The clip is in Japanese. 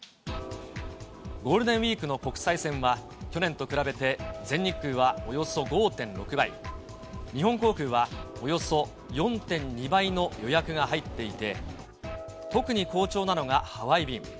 ゴールデンウィークの国際線は、去年と比べて全日空はおよそ５．６倍、日本航空はおよそ４．２倍の予約が入っていて、特に好調なのがハワイ便。